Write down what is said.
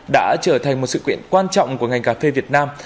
đã trở thành một sự kiện quan trọng của ngành cà phê việt nam